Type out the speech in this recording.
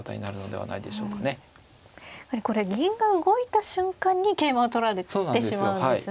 これ銀が動いた瞬間に桂馬を取られてしまうんですね。